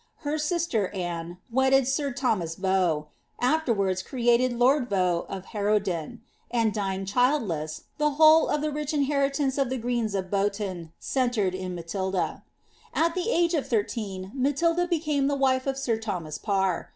Her sister, Anne, wedded sir Nicolas Vanx* afterwards created lord Vaux of Harrowden ; and, dying childless, the whole of the rich inheritance of the Greens of Boughton centred in Ma tilda.* At the age of thirteen, Matilda became the wife of sir Thomas Parr.